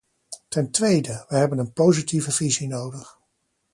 Ten tweede, we hebben een positieve visie nodig.